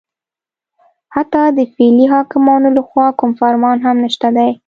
حتی د فعلي حاکمانو لخوا کوم فرمان هم نشته دی